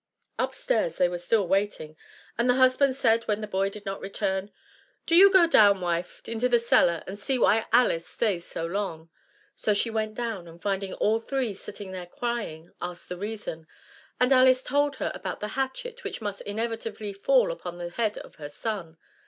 Upstairs they were still waiting, and the husband said, when the boy did not return, "Do you go down, wife, into the cellar and see why Alice stays so long." So she went down, and finding all three sitting there crying, asked the reason, and Alice told her about the hatchet which must inevitably fall upon the head of her son.